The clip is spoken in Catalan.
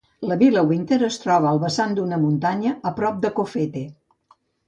La Villa Winter es troba al vessant d"una muntanya a prop de Cofete.